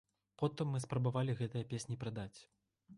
Потым мы спрабавалі гэтыя песні прадаць.